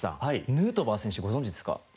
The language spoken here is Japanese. ヌートバー選手ご存じですか？